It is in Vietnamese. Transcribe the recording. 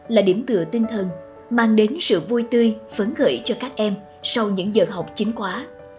là điểm tựa tinh thần mang đến sự vui tươi phấn khởi cho các em sau những giờ học chính quá